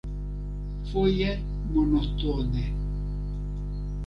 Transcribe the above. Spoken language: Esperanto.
Foje monotone.